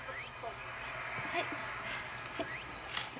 はい。